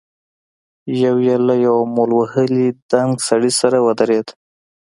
يو يې له يوه مول وهلي دنګ سړي سره ودرېد.